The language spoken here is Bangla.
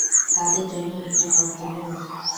তাদের জন্যও একটা করতালি হোক।